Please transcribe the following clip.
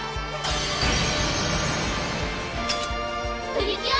プリキュア！